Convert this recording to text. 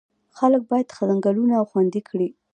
خلک باید ځنګلونه خوندي کړي.